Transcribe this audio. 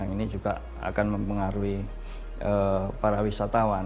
ini juga akan mempengaruhi para wisatawan